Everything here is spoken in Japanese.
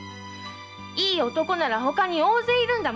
いい男ならほかに大勢いるんだもん。